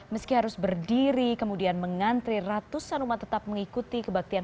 meski harus berdiri kemudian mengantri ratusan umat tetap mengikuti kebaktian